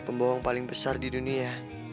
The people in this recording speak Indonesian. pembohong paling besar di dunia